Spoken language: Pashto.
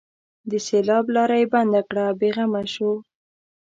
د سېلاب لاره یې بنده کړه؛ بې غمه شو.